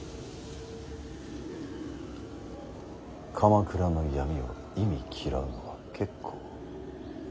鎌倉の闇を忌み嫌うのは結構。